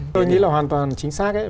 tôi nghĩ là hoàn toàn chính xác